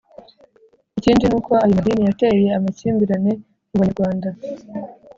Ikindi n'uko ayo madini yateye amakimbirane mu Banyarwanda: